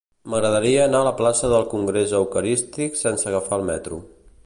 M'agradaria anar a la plaça del Congrés Eucarístic sense agafar el metro.